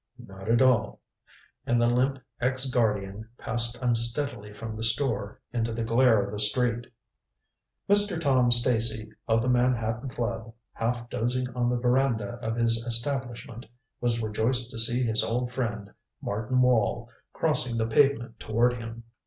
"Not at all." And the limp ex guardian passed unsteadily from the store into the glare of the street. Mr. Tom Stacy, of the Manhattan Club, half dozing on the veranda of his establishment, was rejoiced to see his old friend Martin Wall crossing the pavement toward him.